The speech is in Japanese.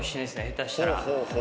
下手したら。